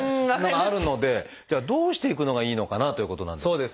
があるのでじゃあどうしていくのがいいのかなということなんですが。